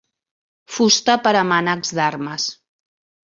Fusta per a mànecs d'armes.